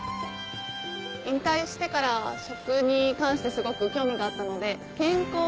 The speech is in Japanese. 引退してから食に関してすごく興味があったので。